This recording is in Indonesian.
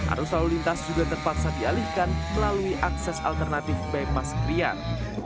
arus lalu lintas juga terpaksa dialihkan melalui akses alternatif bebas krian